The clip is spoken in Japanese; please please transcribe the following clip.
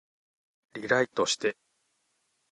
リライトして